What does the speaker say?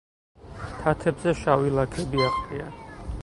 თათებზე შავი ლაქები აყრია.